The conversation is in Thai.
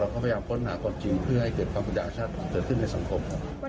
เราพยายามค้นหากรจิงเพื่อให้เกิดความประดาษชัดเกิดขึ้นในสังคม